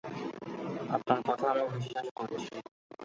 আপনার কথা আমি বিশ্বাস করছি।